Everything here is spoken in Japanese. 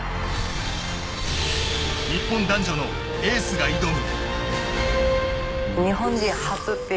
日本男女のエースが挑む。